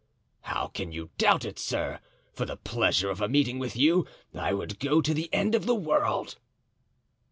"How can you doubt it, sir? For the pleasure of a meeting with you I would go to the end of the world."